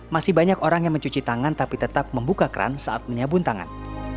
masih banyak orang yang mencuci tangan tapi tetap membuka keran saat menyabun tangan